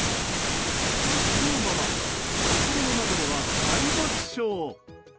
実は、ママ心の中では大爆笑。